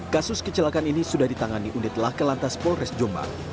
kasus kecelakaan ini sudah ditangani unit laka lantas polres jombang